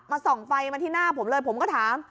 ส่องไฟมาที่หน้าผมเลยผมก็ถาม